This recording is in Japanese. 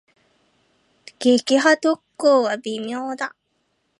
撃破特攻は微妙だ。